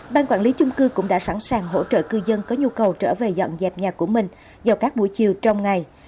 ban quản lý chung cư cũng đã sẵn sàng hỗ trợ cư dân có nhu cầu trở về dọn dẹp nhà của mình do các buổi chiều trong ngày